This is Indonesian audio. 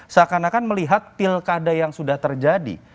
seakan akan melihat pilkada yang sudah terjadi